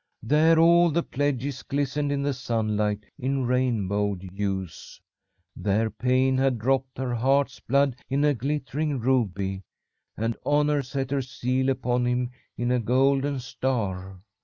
There all the pledges glistened in the sunlight, in rainbow hues. There Pain had dropped her heart's blood in a glittering ruby, and Honour set her seal upon him in a golden star.